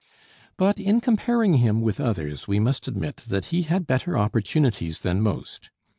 But in comparing him with others, we must admit that he had better opportunities than most.